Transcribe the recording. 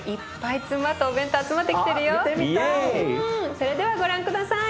それではご覧下さい。